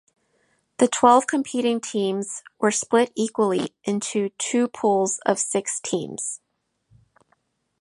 The twelve competing teams were split equally into two pools of six teams.